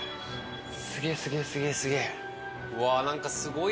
すげえすげえすげえすげえ！